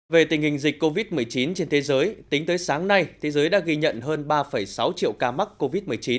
về tình hình dịch covid một mươi chín trên thế giới tính tới sáng nay thế giới đã ghi nhận hơn ba sáu triệu ca mắc covid một mươi chín